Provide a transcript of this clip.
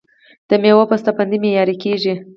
د میوو بسته بندي معیاري کیږي.